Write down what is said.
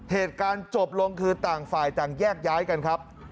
เหตุการณ์จบลงคือต่างฝ่ายต่างแยกย้ายกันครับ